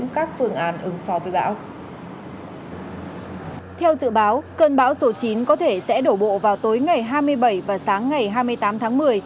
cơn bão số chín có thể sẽ đổ bộ vào tối ngày hai mươi bảy và sáng ngày hai mươi tám tháng một mươi